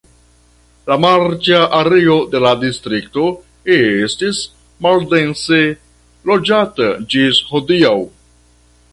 La marĉa areo de la distrikto estis maldense loĝata ĝis hodiaŭ.